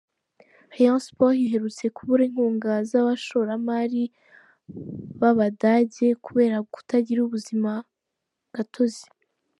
Rayon Sports iherutse kubura inkunga z’abashoramari b’Abadage kubera kutagira ubuzima gatozi.